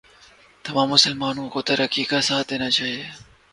تمام مسلمانوں کو ترکی کا ساتھ دینا چاہئے